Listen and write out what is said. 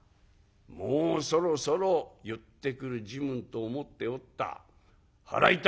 「もうそろそろ言ってくる時分と思っておった。